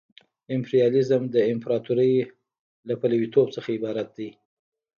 امپریالیزم د امپراطورۍ له پلویتوب څخه عبارت دی